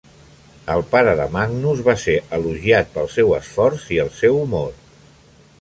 El pare de Magnus va ser elogiat pel seu esforç i el seu humor.